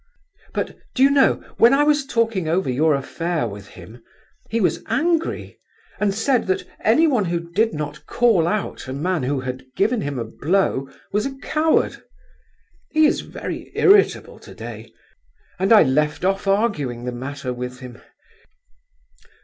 But, do you know, when I was talking over your affair with him, he was angry, and said that anyone who did not call out a man who had given him a blow was a coward. He is very irritable to day, and I left off arguing the matter with him.